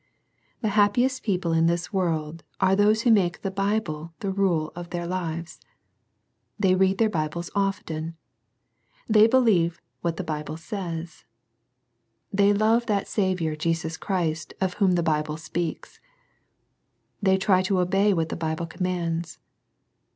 The happiest ' people in this world are those who make the Bible the rule of their lives. The] read their Bibles often. They believe what th( Bible says. They love that Saviour Jesus Chris of whom the Bible speaks. They try to obe] what the Bible commands.